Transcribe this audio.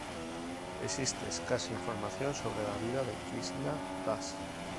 Existe escasa información sobre la vida de Krisná Das.